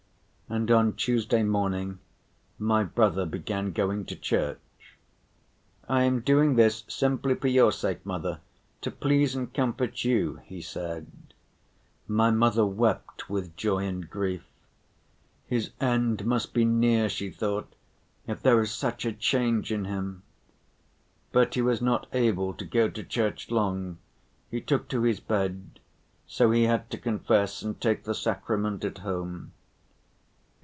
And on Tuesday morning my brother began going to church. "I am doing this simply for your sake, mother, to please and comfort you," he said. My mother wept with joy and grief. "His end must be near," she thought, "if there's such a change in him." But he was not able to go to church long, he took to his bed, so he had to confess and take the sacrament at home.